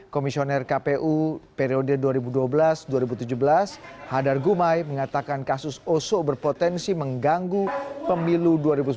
komisioner kpu periode dua ribu dua belas dua ribu tujuh belas hadar gumai mengatakan kasus oso berpotensi mengganggu pemilu dua ribu sembilan belas